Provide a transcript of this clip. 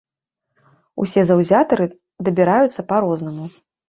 Усе заўзятары дабіраюцца па рознаму.